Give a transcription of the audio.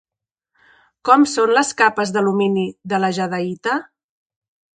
Com són les capes d'alumini de la jadeïta?